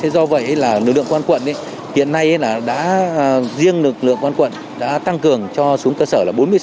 do vậy là lực lượng công an quận hiện nay riêng lực lượng công an quận đã tăng cường cho xuống cơ sở bốn mươi sáu bảy